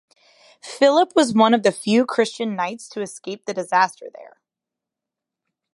Philip was one of the few Christian knights to escape the disaster there.